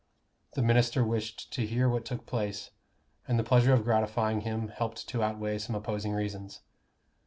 The minister wished to hear what took place; and the pleasure of gratifying him helped to outweigh some opposing reasons.